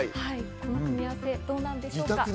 この組み合わせどうなんでしょうか？